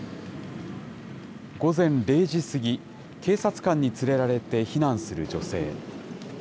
午前０時過ぎ、警察官に連れられて避難する女性。